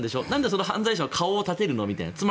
なんでその犯罪者の顔を立てるの？みたいな。